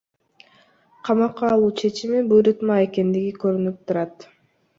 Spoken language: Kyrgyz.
Камакка алуу чечими буйрутма экендиги көрүнүп турат.